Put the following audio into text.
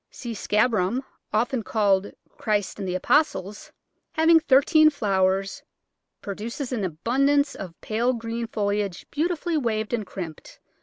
C. scabrum, often called Christ and the Apostles, having thirteen flowers, produces an abundance of pale green foliage beauti fully waved and crimped.